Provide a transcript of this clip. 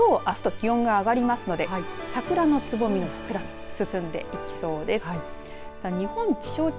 さあ、きょう、あすと気温が上がりますので桜のつぼみの膨らみ進んでいきそうです。